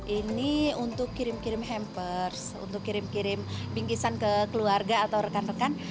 ini untuk kirim kirim hampers untuk kirim kirim bingkisan ke keluarga atau rekan rekan